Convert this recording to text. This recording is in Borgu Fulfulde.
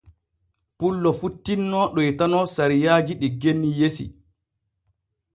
Pullo fu tinno ɗoytano sariyaaji ɗi genni yesi.